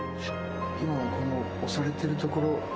今押されてるところ。